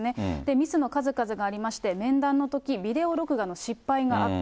ミスの数々がありまして、面談のとき、ビデオ録画の失敗があった。